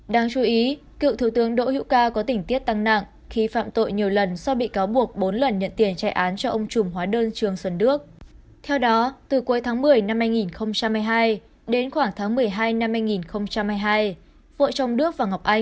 đáng chú ý cựu thứ tướng đỗ hữu ca có tỉnh tiết tăng nặng khi phạm tội nhiều lần